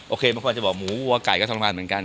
โอเคมันควรจะบอกหมูวัวไก่ก็ทรมานเหมือนกัน